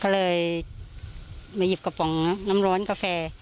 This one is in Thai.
ก็เลยมาหยิบกระป๋องน้ำร้อนกาแฟ